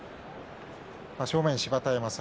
正面、芝田山さん